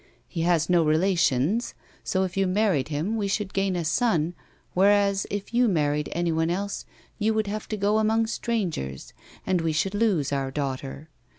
He has no relations, so if you married him we should gain a son, whereas if you married anyone else you would have to go among strangers, and we should lose our daughter.